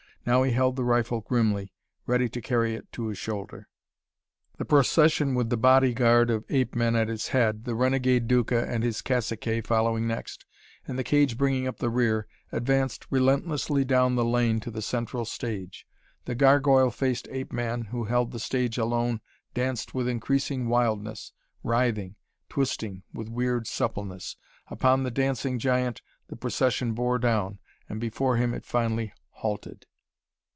Now he held the rifle grimly, ready to carry it to his shoulder. The procession with the bodyguard of ape men at its head, the renegade Duca and his caciques following next, and the cage bringing up the rear, advanced relentlessly down the lane to the central stage. The gargoyle faced ape man who held the stage alone danced with increasing wildness, writhing, twisting, with weird suppleness. Upon the dancing giant the procession bore down, and before him it finally halted.